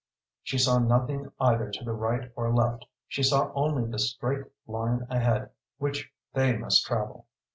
She saw nothing either to the right or left. She saw only the straight line ahead which they must travel.